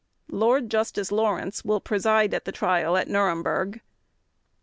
"Lord Justice Lawrence will preside at the Trial at Nuremberg.